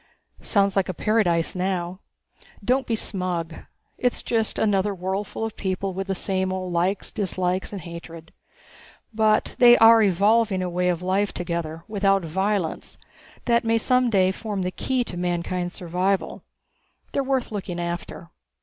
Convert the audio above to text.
"Sounds like paradise now." "Don't be smug. It's just another worldful of people with the same old likes, dislikes and hatreds. But they are evolving a way of living together, without violence, that may some day form the key to mankind's survival. They are worth looking after.